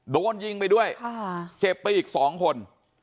โดนยิงไปด้วยเจ็บไปอีก๒คน